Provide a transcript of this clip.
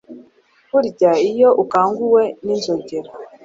Burya iyo ukanguwe n’inzogera